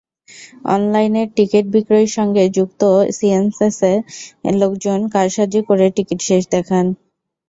অনলাইনের টিকিট বিক্রয় সঙ্গে যুক্ত সিএনএসে লোকজন কারসাজি করে টিকিট শেষ দেখান।